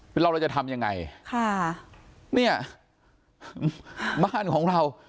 ไปเล่าแล้วจะทำยังไงค่ะเนี่ยบ้านของเรา